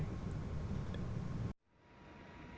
theo nhiều cử tri pháp các ứng cử viên tập trung vào các vấn đề này